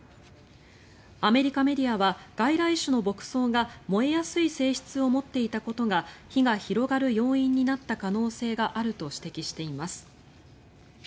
アメリカメディアは外来種の牧草が燃えやすい性質を持っていたことが火が広がる要因になった可能性があると指摘しています。